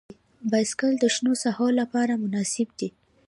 بایسکل د شنو ساحو لپاره مناسب دی.